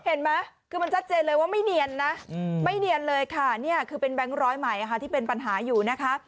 เห็นไหมคือมันชัดเจนเลยว่าไม่เนียนนะไม่เนียนเลยค่ะนี่คือเป็นแบงค์ร้อยใหม่ที่เป็นปัญหาอยู่นะคะ